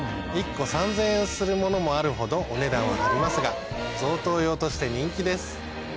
するものもあるほどお値段は張りますが贈答用として人気です。